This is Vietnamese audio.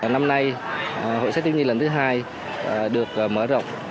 năm nay hội sách thiếu nhi lần thứ hai được mở rộng